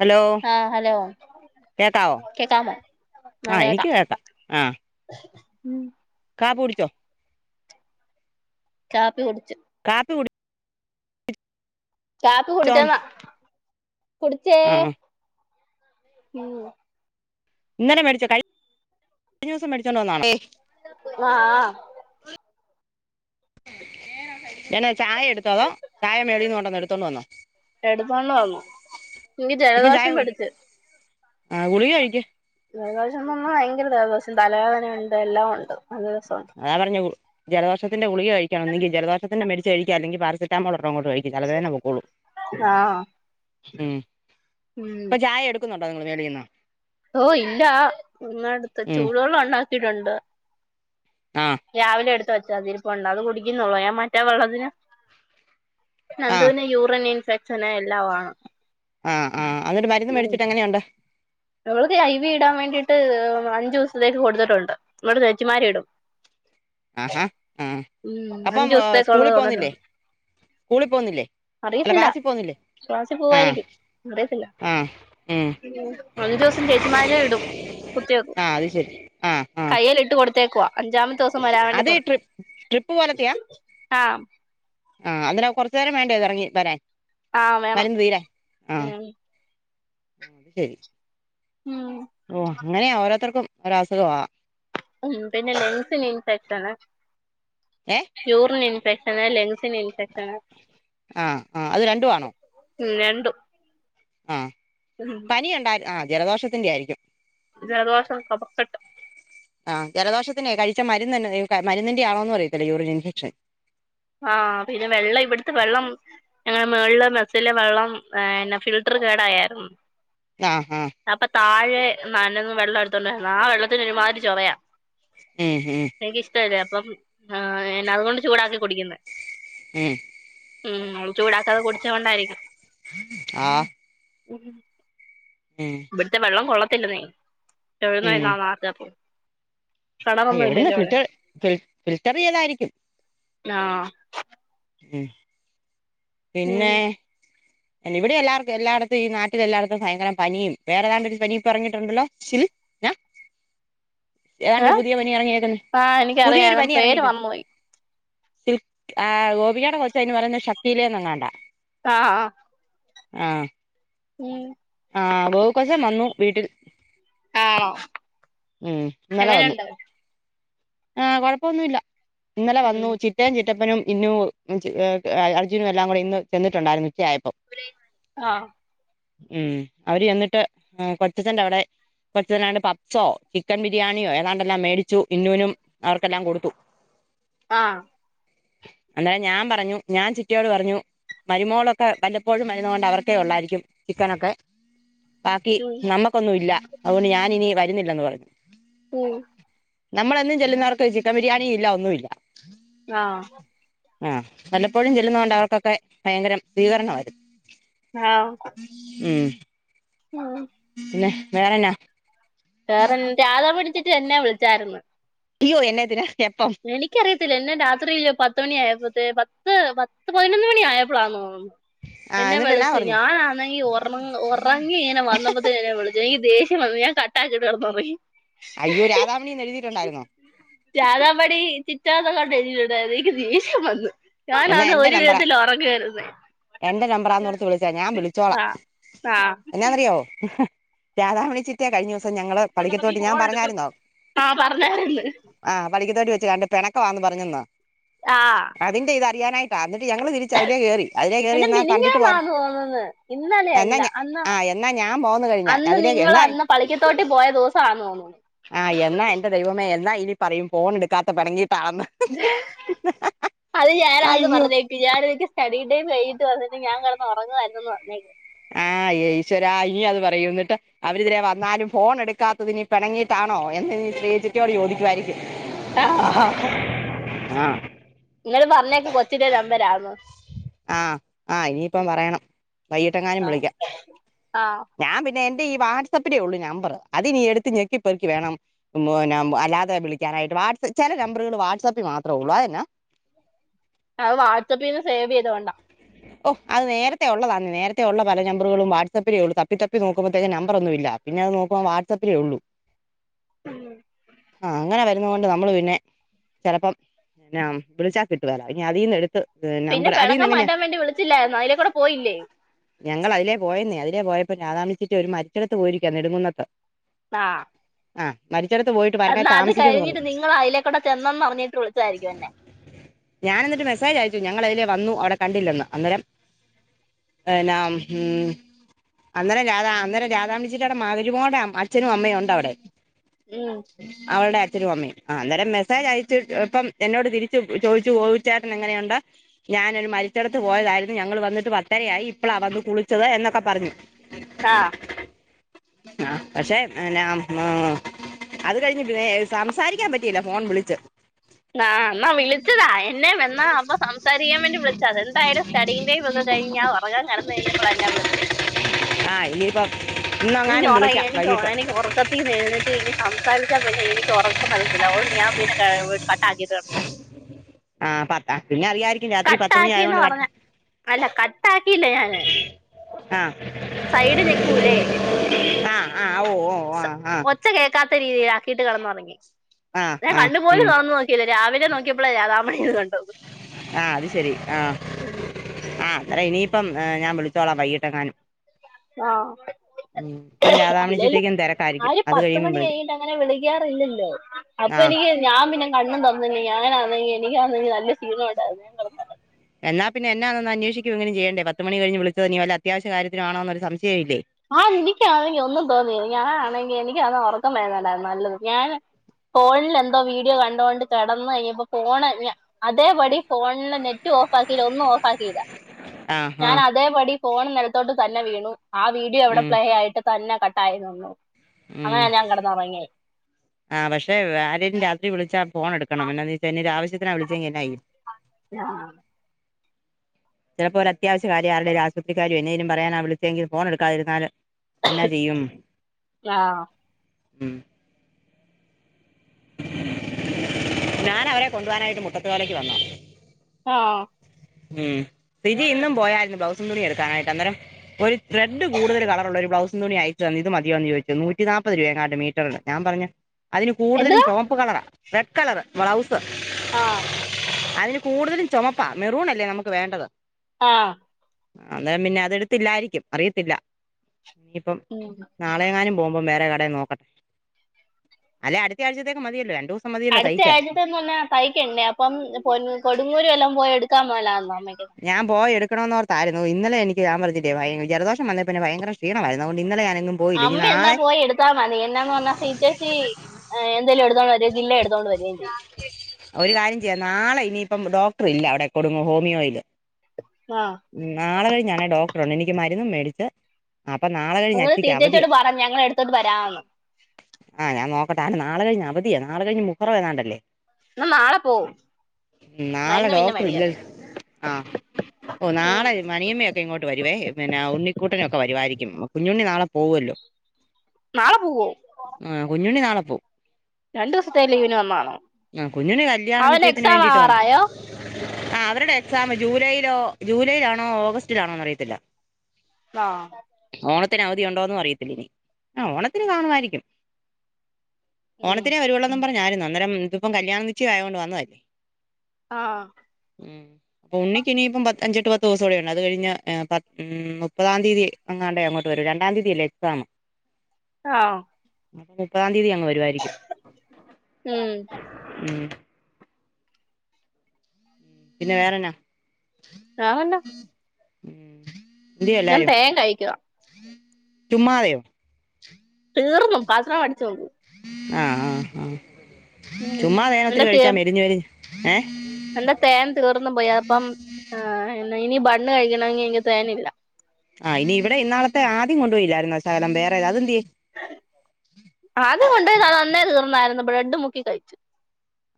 Hello ആഹ് hello കേക്കാവോ കേക്കാമോ ആ ആഹ് കേക്കാം എനിക്ക് കേക്കാ ആഹ് ഉം കാപ്പി കുടിച്ചോ കാപ്പി കുടിച്ചു കാപ്പി കുടി കാപ്പി കുടിച്ചോന്ന് കുടിച്ച് ആഹ് മം ഇന്നലെ മേടിച്ചോ കഴി കഴിഞ്ഞ ദിവസം മേടിച്ചോണ്ട് വന്നതാണോ ഏഹ് ഹുവാ ഞാന് ചായ എടുത്ത് ചായ മേളിന്ന് കൊണ്ടുന്നോ എടുത്തോണ്ട് വന്നോ എടുത്തോണ്ട് വന്നു എനിക്ക് ജലദോഷം പിടിച്ച് ആഹ് ഗുളിക കഴിക്ക് ജലദോഷന്ന് പറഞ്ഞാ ഭയങ്കര ദേലദോഷം തലവേദനയുണ്ട് എല്ലാം ഉണ്ട് നല്ല രസമൊണ്ട് അതാ പറഞ്ഞെ ഗു ജലദോഷത്തിന്റെ ഗുളിക കഴിക്കണം ഒന്നെങ്കിൽ ജദോഷത്തിന്റെ മേടിച്ച് കഴിക്ക് അല്ലെങ്കിൽ പാരസെറ്റമോൾ ഒരെണ്ണം അങ്ങോട്ട്‌ കഴിക്കണം ഈ തലവേദന പൊക്കോളും ആഹ് ഉം ഉം ഇപ്പ ചായ എടു ക്കുന്നുണ്ടോ നിങ്ങള് മേളിന്ന് ഓ ഇല്ല ഇന്നടുത്ത് ഉം ചൂടുവെള്ളം ഉണ്ടാക്കിയിട്ടുണ്ട് ആഹ് രാവിലെ എടുത്ത് വച്ചതിരിപ്പുണ്ട് അത് കുടിക്കുന്നുള്ളൂ ഞാൻ മറ്റേ വെള്ളത്തിന് ആ നന്ദൂവിന് യൂറിൻ ഇൻഫെക്ഷന് എല്ലാമാണ് ആഹ് ആഹ് അന്നിട്ട് മരുന്ന് ഉം മേടിച്ചിട്ട് എങ്ങനെയുണ്ട് അവൾക്ക് ഐ വി ഇടാൻ വേണ്ടിട്ട് അഞ്ചു ദിവസത്തേക്ക് കൊടുത്തിട്ടുണ്ട് അന്നിട്ട്‌ ചേച്ചിമാര് ഇടും ആഹ് ഹാ ആ ഉം അഞ്ചു അപ്പം ദിവസത്തേക്കുള്ളത് സ്കൂളിൽ പോന്നില്ലേ തന്നിട്ടുണ്ട് സ്കൂളിൽ പോന്നില്ലേ അറിയത്തില്ല ക്ലാസ്സിൽ പോവായിരിക്കും അറിയത്തില്ല ആ ഉം അഞ്ചു ദിവസം ചേച്ചിമാര് ഇടും കുത്തിവെയ്ക്കും ആ അത് ശരി ആ ആ കൈയെല് ഇട്ട് കൊടുത്തേക്കുവ അഞ്ചാമത്തെ ദിവസം വരാൻ വേണ്ടി അത് പറഞ്ഞ് ട്രി ട്രിപ്പ് ആഹ് ആഹ് അന്നേരം കൊറച്ചു നേരം വേണ്ടേ അത് ഇറങ്ങി വരാൻ ആഹ് വേണം മരുന്ന് തീരാൻ ആഹ് ഉം ശരി ഉം ഓ അങ്ങനെയാ ഓരോരുത്തർക്കും ഒരോ അസുഖമാ ഉം പിന്നെ ലങ്സിന്‌ ഇൻഫെക്ഷന് ഏഹ് യൂറിൻ ഇൻഫെക്ഷന് ലെങ്സിന് ഇൻഫെക്ഷന് ആ ആ അത് രണ്ടും ഉം രണ്ടു ആഹ് പനി ഉണ്ടായി ആഹ് ജലദോഷത്തിന്റെ ആയിയിരിക്കും ജലദോശം കഫക്കട്ട് ആ ജലദോഷത്തിനെ കഴിച്ച മരുന്ന് തന്നെ മരുന്നിന്റെ ആണോന്നോ അറിയത്തില്ല യൂറിൻ ഇൻഫെക്ഷൻ ആ പിന്നെ വെള്ള ഇവിട്ത്തെ വെള്ളം ഞങ്ങെളെ മേൾല് മെസ്സിലെ വെള്ളം ഏ ഫിൽട്ടർ കേട ആയായിരുന്നു ആ ഹാ അപ്പ താഴെ നനന്നും വെള്ളം എടുത്തോണ്ടായിരുന്നു ആ വെള്ളത്തിന് ഒരുമാതിരി ചൊവയാ ഏ ഹെ എനിക്ക് ഇഷ്ടല്ല അപ്പം ആ അതുകൊണ്ട് ചൂടാക്കി കുടിക്കുന്ന് ഏ ഉം ചൂടാക്കാതെ കുടിച്ചോണ്ട ആയിരിക്കും ആ ഉം ഉം ഇവട്ത്തെ വെള്ളം കൊള്ളത്തില്ലന്നേ ചൊഴ [unintelligible] ഉം ആ എവിട്ന്ന് കിട്ട് ഫിൽ ഫിൽറ്റർ ചെയ്തായിരിക്കും ആഹ് ഉം ഉം പിന്നെ അല്ല ഇവിടെ എല്ലാർക്കും എല്ലായിടത്തും ഈ നട്ടിലെല്ലായിടത്തും ഭയങ്കരം പനിം വേറെ താ ഒരു പനി ഇപ്പോ എറങ്ങിട്ടുണ്ടല്ലോ ചിൽ ന ഏതാണ്ട് ഏ ഒരു പുതിയ പനി ഇറങ്ങിയേക്കുന്നു ആ പുതിയൊരു എനിക്കറിയാം പനി പേര് ഇറങ്ങിയിട്ട് മർന്ന് പോയി ആ ഗോപികയുടെ കൊച്ച് അയ്ന് പറയുന്നത് ശക്തിയിലെന്നങ്ങാണ്ട ആ ആ ഉം ആ ഗോവു കൊച്ചം വന്നു വീട്ടി ആണോ ഉം ഇന്നല വന്നു എങ്ങനെയുണ്ട് ആ കൊഴപ്പൊന്നു ഇല്ല ഇന്നലെ ഉം വന്നു ചി ചിറ്റയും ചിറ്റപ്പനും ഇന്നുവും അ അർജുനും എല്ലാം കൂടെ ഇന്ന് ചെന്നിട്ടുണ്ടായിരുന്നു ഉച്ചയായപ്പം ആ ഉം അവര് ചെന്നിട്ട് കൊച്ചച്ചന്റെ അവടെ ഇപ്പത്തെ രണ്ട് പപ്സോ ചിക്കൻ ബിരിയാണിയോ ഏതാണ്ട്ല്ലാം മേടിച്ചു ഇന്നൂനും അവർക്കെല്ലാം കൊടുത്തു ആഹ് അന്നോരം ഞാം പറഞ്ഞു ഞാൻ ചിറ്റയോട് പറഞ്ഞു മരുമോളൊക്കെ വല്ലപ്പോഴും വരുന്നത് കൊണ്ട് അവർക്കേ ഒള്ളായിരിക്കും ചിക്കനൊക്കെ ബാക്കി ഉം നമ്മക്കൊന്നു ഇല്ല അതുകൊണ്ട് ഞാന് ഇനി വരുന്നില്ലന്ന് പറഞ്ഞു ഉം നമ്മളന്നും ചെല്ലുന്നവർക്ക് ചിക്കൻ ബിരിയാണി ഇല്ല ഒന്നുഇല്ല ആഹ് ആ വല്ലപ്പോഴും ചെല്ലുന്നത് കൊണ്ട് അവർക്കൊക്കെ ഭയങ്കരം സ്വീകരണമായിരുന്നു ആ ഉം [unintelligible] പിന്നെ വേറെന്നാ വേറെ രാധ മണി ചേച്ചി എന്നെ വിളിച്ചായിരുന്നു അയ്യോ എന്നെതിന് എപ്പം എനിക്കറിയത്തില്ല എന്നെ രാത്രില്ലോ പത്ത് മണി ആയപ്പോഴത്തെ പത്ത് പത്ത് പതിനൊന്ന് മണി ആയപ്പോളാന്നോ? ആ എന്നെ എന്നിട്ട് എന്നാ വിളിച്ചു പറഞ്ഞു ഞാനാണെങ്കി ഉറങ്ങി ഇങ്ങനെ വന്നപ്പോ വിളിച്ചു എനിക്ക് ദേഷ്യം വന്നു ഞാൻ കട്ടാക്കിട്ട് കെടന്ന് ഉറങ്ങി അയ്യോ രാധാമണിയന്ന് എഴുതിട്ടുണ്ടായിരുന്നോ രാധാമണി ചിറ്റ നങ്ങാണ്ടോ എഴുതിയിട്ടുണ്ടായിരുന്നു എനിക്ക് ദേഷ്യം വന്നു എന്നാ ഞാനാണേ എന്റെ ഒരു നമ്പറാ വിധത്തില് ഉറങ്ങാരുന്നേ എന്റെ നമ്പറാന്നോർത്ത് വിളിച്ചാ ഞാൻ വിളിച്ചോളാം ആഹ് ആഹ് എന്നാന്നറിയോ രാധാമണി ചിറ്റിയ കഴിഞ്ഞ ദിവസം ഞങ്ങൾ പളിക്കത്തോട്ട് ഞാൻ പറഞ്ഞായിരുന്നോ ആഹ് പറഞ്ഞാരുന്ന് ആ പള്ളിക്ക തോട്ടി വെച്ച് കണ്ട് പിണക്ക വാന്ന് പറഞ്ഞന്നാ ആഹ അതിന്റെ ഇത് അറിയാനായിട്ട് എന്നിട്ട് ഞങ്ങള് തിരിച്ച അതിലെ കയറി അതിലേ കയറി എൻ്റെ എന്നാ കണ്ടിട്ട് മിനിഞ്ഞാന്നാ പോരെ തോന്നന്ന് ഇന്നലെ എന്നാ അല്ല ഞാ അന്ന് ആ എന്നാ ഞാൻ പോന്നു കഴിഞ്ഞാ അന്ന് അതിലേ നിങ്ങള എന്നാ ന്ന് പളിക്കത്തോട്ടി പോയ ദോസ തോന്നൂ ആഹ് എന്നാ എന്റെ ദൈവമേ എന്നാ ഇനി പറയും ഫോൺ എടുക്കാത്ത പിണങ്ങിട്ടാന്ന് അത് ഞാനാണ് അയ്യോ പറഞ്ഞേ ഞാനാ എനിക്ക് സ്റ്റഡിടൈം കഴിയിട്ട് വന്നിട്ട് ഞാൻ കിടന്നുറങ്ങുവാര്ന്ന് പറഞ്ഞേക്ക് ആഹ് യേ യീശ്വരാ ഇനിഅത് പറയുംന്നിട്ട് അവരിതിരെ വന്നാലും ഫോൺ എടുക്കാത്തതി പിണങ്ങിട്ടാണോ എന്ന് ശ്രീയ ചിറ്റയോട് ചോദിക്കുവായിരിക്കും അ ആഹ് ആഹ് നിങ്ങൾ പറഞ്ഞേക്കെ കൊച്ചിന്റെ നമ്പരാന്ന് ആഹ ആ ഇനിയിപ്പം പറയണം വൈകിട്ടെങ്ങാനും ആ വിളിക്കാം ആഹ് ഞാൻ പിന്നെ എന്റെ ഈ വാട്സആപ്പിനേ ഉള്ളു നമ്പർ അത് നീ എടുത്ത് ഞെക്കി പേർക്കി വേണം ഉ അല്ലാതെ വിളിക്കാനായിട്ട് വാട് ചില നമ്പറുകൾ വാട്സപ്പിൽ മാത്രമേ ഉള്ളു അതെന്ന അത് വാട്സ്ആപ്പിൽ നിന്ന് സേവ് ചെയ്തോണ്ടോ ഓ അത് ഉള്ളതാന്ന് നേരത്തെുള്ള പല നമ്പറുകളും വാട്സപ്പിലേ ഉള്ളൂ തപ്പി തപ്പി നോക്കുമ്പോഴത്തേന്റെ നമ്പറ ഒന്നും ഇില്ല പിന്നെ അത് നോക്കുമ്പോൾ വാട്സപ്പിലേ ഉള്ളൂ [inaudible] ആഹ അങ്ങനെ ണ്ട് നമ്മൾ പിന്നെ ചിലപ്പം പിന്ന വിളിച്ചാൽ കിട്ടുവല്ലോ ഇനി അതിൽന്ന് എടുത്ത് പിന്നെ നമ്പർ അതിൽ നിന്ന് പിണക്കം എങ്ങനെയാ മാറ്റാൻ വേണ്ടി വിളിച്ചില്ലായിരുന്നു അതിലേ കൂടെ പോയില്ലേ ഞങ്ങൾ അതില പോയെന്നേ അതില പോയപ്പോ രാധാമണി ചിറ്റ ഒരു മരിച്ചിടത്ത് പോയിരിക്കാ നെടുങ്ങുന്നത്ത് ആഹ് ആഹ് മരിച്ചിടത്ത് പോയിട്ട് വരണേ എന്നാ അത് താമസിക്കന്ന് കഴിഞ്ഞിട്ട് പറഞ്ഞു നിങ്ങൾ അതിലെ കൂടെ ചെന്നെന്ന് അറിഞ്ഞിട്ട് വിളിച്ചതായിരിക്കും എന്നെ ഞാൻ എന്നിട്ട് മെസ്സേജ് അയച്ചു ഞങ്ങളതിലേ വന്നു അവിടെ കണ്ടില്ലന്ന് അന്നേരം എന്നാ ഉം അന്നരം രാധാ രാധാമണി ചിറ്റയുടെ അവിടെ മരുമോളുടെ അച്ഛനും അമ്മയും ഉണ്ട് അവിടെ ഉം അവളുടെ അച്ഛനും അമ്മയും അന്നേരം മെസ്സേജ് അയച്ച ഇപ്പം എന്നോട് തിരിച്ച് ചോദിച്ചു പോയി ച്ചേട്ടന് എങ്ങനെയുണ്ട് ഞാൻ ഒരു മരിച്ച ടത്ത് പോയതായിരുന്നു ഞങ്ങൾ വന്നിട്ട് പത്തരയായി ഇപ്പളാ വന്നു കുളിച്ചത് എന്നൊക്കെ പറഞ്ഞു ആഹ് ആ പക്ഷെ എന്നാ ഉം അത് കഴിഞ്ഞ് പിന്നെ സംസാരിക്കാൻ പറ്റിയില്ല ഫോൺ വിളിച്ച് ആഹ് ന്നാ എന്നാ വിളിച്ചതാ എന്നെ വാ അപ്പൊ സംസാരിക്കാൻ വേണ്ടി വിളിച്ച അതെന്തായും സ്റ്റഡിന്റെയും കഴിഞ്ഞാ ഉറങ്ങാൻ കിടന്ന കഴിഞ്ഞപ്പോൾ എന്നെ വിളിച്ചത് ആഹ് ഇനിപ്പം എനിക്ക് ഉറ എനിക്ക എനക്ക് ഉറക്ക ത്തിന്ന് എഴുന്നേറ്റ്ഇനി സംസാരിച്ചൽ പിന്നെ എനിക്ക് ഉറക്കം വരത്തില്ല അതുകണ്ട് ഞാൻ പിന്നെ കട്ടാക്കിട്ട് കിടന്നു ആഹ് പത്ത പിന്നെ അറിയാരിക്കും രാത്രി പത്തുമണി ആയത് കട്ടാക്കിന്ന് കൊണ്ട് കിട പറഞ്ഞ അല്ല കട്ട് ആക്കില്ല ഞാന് ആഹ് സൈഡ് ഞക്കൂല്ലേ ആഹ് ആഹ് ഓ ഓ ആഹ് ആഹ് ാത്ത രീതിയില ആക്കിട്ട് കിടന്നു തുങ്ങി ആ ഞാ ആ കണ്ടുപോലും കറന്നു നോക്കില്ലോ രാവിലെ നോക്കിയപ്പോളേ ആഹ് അത് ശരി ആഹ് ആഹ് അല്ല ഇനിയിപ്പം ഞാൻ വിളിച്ചോളാം വൈകിട്ടെങ്ങാനും ആഹ് ഉം ഇപ്പം അല്ലേലും രാധാമണിച്ചിറ്റക്കും തിരക്കായിരിക്കും ആര് അത് കഴിയുമ്പം പത്തുമണി വിളിക്കും കഴഞ്ഞിട്ട് അങ്ങനെ വിളിക്കാറില്ലല്ലോ അപ്പൊ ആഹ് എനിക്ക് ഞാൻ പിന്നെ കണ്ും തന്നില്ല ഞാനാണെങ്കിൽ എനിക്കാന്നെങ്കിൽ നല്ല ക്ഷീണം ഉണ്ടായിരുന്നു എന്നാ പിന്ന എന്നാ ഒന്ന് അന്വേഷിക്ക ഇങ്ങന ചെയ്യണ്ടേ പത്ത് മണി കഴിഞ് വിളിച്ചത്നി വല്ല അത്യാശ്യ കാര്യനാണോന്ന ഒരു സംശയംഇല്ലേ ആഹ് എനിക്കാണെങ്കിൽ ഒന്നും തോന്നിയത് ഞാാനാണെങ്കിൽ എനക്ക് അന്ന ഉറക്കം വരുന്നുണ്ടായിരുന്നു നല്ലത് ഞാാന് ഫോണിൽ എന്തോ വീഡിയോ കണ്ടൊണ്ട് കിടന്ന് കഴിഞ്ഞപ്പോ ഫോൺ അതേപടി ഫോണില് നെറ്റ് ഓഫ് ആക്കില്ല ഒന്നും ഓഫ് ആാക്കില്ല ആഹ് ഞാൻ ആഹ് അതേപടി ഫോൺ നേടുത്തോട്ട് തന്നെ വീണു ആ വീഡിയോ എവിടെ ഉം പ്ലേ ആയിട്ട് തന്നെ കട്ടായി നിന്നു അങ്ങനെ ഞാൻ കിടന്നിറങ്ങി ആ പക്ഷേ ആരേലും രാത്രി വിളിച്ചാ ഫോ എടുക്കണം എന്നാന്ന് വെച്ചാൽ ഒരു ആവശ്യത്തിനെ വിളിച്ചെങ്കിന ന്നായ്യും ആഹ് ചിലപ്പോര് അത്യാവഷ്യ ആരുടെ ഒരു ആശുപത്രി കാര്യം എന്തേിലും പറയാൻ വിളിച്ചെങ്കില ഫോന് എടുക്കാതിരുന്നല് എന്നാ ചെയ്യും ഉം ഞൻ അവരെ കൊണ്ട പോനായിട്ട് മുട്ടത്ത പോലേക്ക് വന്നോ ആഹ് ഉം സിജി ഇന്നും പോയരുന്നു ബ്ലൗസന്നുംടി എടുക്കാനായിട്ട് അന്നേരം ഒരു റെഡ് കൂടുതൽ കളറുള്ള ഒരു ബ്ലൗസ് അയ ഇത് മതിയാന്ന് ചോയ്ച്ച് നൂറ്റി നാല്ത് രൂപണ്ട് മീറ്ററന് ഞാൻ പറഞ്ഞ അതി കൂടുതലും എന്തുവാ pump colour red colour blouse ആഹ് അതിന് കൂടുതലും ചുമപ്പാ മെറൂൺ അല്ലേ നമുക്ക് വേണ്ടത് ആഹ് അന്നേരം പിന്നെ അത്െടുത്തില്ലായിരിക്കും അറിയത്തില്ല ഇനിയിപ്പം ഉം നാളെങ്ങാനും പോകുമ്പം വേറെ കടയിൽ നോക്കട്ടെ അല്ലെ അട്ത്തയാഴ്ചത്തേക്ക് മതിയല്ലോ രണ്ടു ദിവസം മതിയല്ലോ അടുത്ത തയ്ക്കാൻ കഴിഞ്ഞത്തെന്നന്ന് പറഞ്ഞാ തയ്ക്കണ്ടേ അപ്പം പൊ കൊടുങ്ങൂരു എല്ലാം പോയി എടുക്കാൻ പോലാന്നോ അമ്മയ്ക്ക് ഞാൻ പോയ എടുക്കണന്ന് ഓർത്തായിരുന്നു ഇന്നല എനിക്ക് ഞാൻ പറഞ്ഞല്ലേ ജലദോഷം വന്നൽന്നെ ഭയര ക്ഷീണമായിരുന്നുതൊണ്ട് ഇന്നലെ ഞാനെങും അമ്മ എന്നാ പോയി എടു [unintelligible] എന്നാന്ന് പറഞാൽ ചേച്ചേച്ചി എന്തേലും എടുത്തോണ്ട് വരോ ജില്ല എടുത്തോണ്ട് വരകയും ചെയ്യും ഒരു കാര്യം ചെയ്യാാം നാളെ ഇനിയിപ്പം ഡോക്ടർ ഇല്ല അവിടെ കൊടുങ്ങും ഹോമിയോയില് ആഹ് ഉം നാളെ കഴിഞാനേൽ ഡോക്ടറുണ്ട് എനിക്ക് മരുന്നുന്ന് മേടിച്ചത് അപ്പൊ നാളെ അങ്ങനെ കഴിഞ്ഞച്ചിക്ക അവധിയ സീറ്റേച്ചിയോട് പറഞ്ഞു ഞങ്ങൾ എടുത്തോണ്ട് വരാമെന്ന് ആഹ് ഞാൻ നൊക്കട്ടെ ആഹ് നാളെ കയിഞ്ഞ് അവധിയ നാളെ കഴിഞ് മുഹറ അങ്ങണ്ടല്ലേ ഞാൻ നാളെ പോവും നാളെ മരുന്ന് പിന്നെ ഡോക്ടർ ഇല്ല മേടിക്കാം ആഹ് ഓ ഉം നാളെ മണിയമ്മയൊക്കെ ഇങ്ങോട്ട് വരുവേ പിന്നെ ഉണ്ണിക്കൂട്ടനൊക്കെ വരുവായിരിക്കും കുഞ്ഞുണ്ണി നാളെ പോവൊല്ലോ നാളെ പോവും ആഹ് കുഞ്ഞുണ്ണി നാളെ പോവും രണ്ടുസത്തെ ലീവിന് വന്നാണോ ആഹ് കുഞ്ഞുണ്ണി കല്യാണ അവന് നിശ്യത്തിന് എക്സാം വേണ്ടിയിട്ട് വന്ന് ആവാറായോ ആഹ് അവരുടെ എക്സാം ജൂലൈയിലോ ജൂലൈയിലാണോ ഓഗസ്റ്റിലാണോന്ന് അറിയത്തില്ല ആഹ് ഓണത്തിന് അവധി ഉണ്ടോന്ന് അറിയത്തില്ലിനി ആ ഓണത്തിന് കാണുമായിരിക്കും ഉം. ഓണത്തിനെ വരുയുള്ളുന്നുപറഞ്ഞാരുന്നു അന്നേരം ഇതിപ്പം കല്യാണനിച്ചായായോണ്ട് വന്നതല്ലേ ആഹ് ഉം അപ്പൊ ഉണ്ണിക്കിനിയിപ്പം പത്ത് അഞ്ചെട്ട്പത്തുസം കൂടിഉണ്ട് അത്കഴിഞ്ഞാ ഏഹ് ഉം മുപ്പതാതീയ്യതി ങ്ങാണ്ടെ അങ്ങോട്ട് വരൂ രണ്ടാതീതില്ലേ എക്സാമ് ആഹ് മുപ്പതാതീ അങ്ങ് വരുവായിരിക്കും ഉം ഉം പിന്നെ വേറെന്നാ വേറെന്നാ ഞാൻ എന്തെയ്ല്ലാരും തേൻ കഴിക്കും ചുമ്മാതയോ തീർന്നു പാത്ര വടിച്ചോണ്ട് ആഹ് ആഹ് ആഹ് ഉം ചുമ്മാ എന്റെ തേനൊത്തിരി തേ കഴിച്ചാ മെലിഞ്ഞ് മെരിഞ്ഞ് ഏഹ് എന്റെ തേൻ തീർന്നു പോയി അപ്പം ഇനി ബണ്ണ് കഴിക്കണങ്കിൽ എനി തേനില്ല ആഹ് ഇനി ഇവിടെ ഇന്നാളത്തെ ആദ്യകൊണ്ടുയില്ലായിര്ന്നോ ശകലം വറെത് അതന്ത്യേ ആദ്യംകൊണ്ടയത് അന്നേ തീർന്നായിരുന്നു ബ്രെഡ് മുക്കി കഴിച്ചു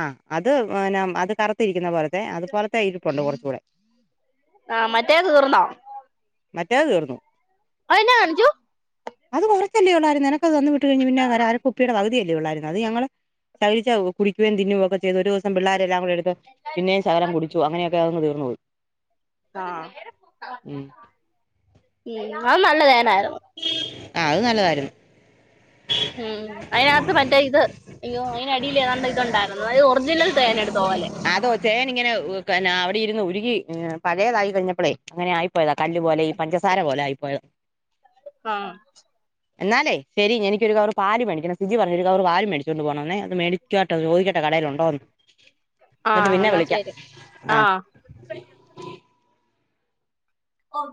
ആഹ് അത് ന്നാ അത് കറത്തിരിക്കുന്ന പോലത്തെ അതപോലത്തെ ഇരിപ്പുണ്ട് കൊറച്ചൂടെ ആഹ് മറ്റേതീർന്നോ മറ്റെതീർന്നു അയ്ന്നാഞ്ചു അത് കൊറച്ചല്ലേള്ളായിരുന്നു നിനക്ക്ത് തന്നവിട്ട് കയിഞ്ഞ പിന്നെ ഒരആര കുപ്പിയുടെ പകുതിയല്ലേ ഉള്ളായിരുന്നു അത് ഞങ്ങള് കഴ്ച്ച കുടിക്കേയും തിന്നോയൊക്കെ ചെയ്തു ഒരിസം പിള്ളേരെ എല്ലാം കൂടെടുത്ത് പിന്നെയും ശകലം കുടിച്ചു അങ്ങനെയൊക്കെതങ്ങ് തീർന്നപോയ് ആഹ് ഉം അഹ് നല്ലതേനായിരുന്നു ആ അഹ് നല്ലതാര്ന്ന് ഉം അയിനാത്ത് മറ്റേ ഇത് അയ്യോ അയിനടിയില് നല്ലഇതുണ്ടായിരു അത് ഒറിജിനൽ തേനെടുത്ത പൊലെ അതോ ചേനിങ്ങന ഓ ന്നാ അവിടെ ഇരുന്ന് ഉരുകി പഴയതായി കഴിഞ്ഞപ്പളെ അങ്ങനെ ആയി പോയതാ കല്ലു പോലെ ഈ പഞ്ചസാര പോലെ ആയിപ്പോയതാ ആഹ് എന്നാലേ ശെരി എനിക്കൊരുകവറ് പല് മേടികണം സൂചി പറഞ്ഞ് ഒരു കവർ പല് മേടിച്ചോണ്ട് പോണന്ന അത് മേടിക്കോട്ട ചോദിക്കട്ടെ കടേലുണ്ടോന്ന് ന്നിട്ട് ആഹ് പിന്നെ എന്നാ വിളിക്കാ ശരി ആ ആഹ് ഓഹ്